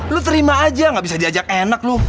lo terima aja gak bisa diajak enak lo